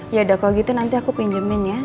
yaudah kalau gitu nanti aku pinjemin ya